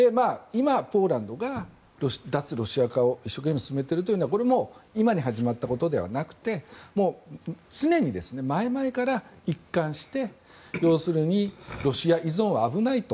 今、ポーランドが脱ロシア化を一生懸命進めているというのもこれも今に始まったことではなくて常に前々から一貫して要するにロシア依存は危ないと。